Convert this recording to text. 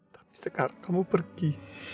tapi sekarang kamu pergi